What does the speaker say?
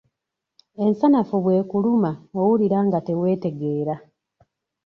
Ensanafu bw'ekuluma owulira nga teweetegeera.